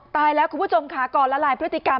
ตายแล้วคุณผู้ชมค่ะก่อนละลายพฤติกรรม